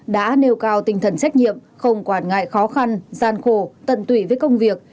đã nêu cao tinh thần trách nhiệm không quản ngại khó khăn gian khổ tận tụy với công việc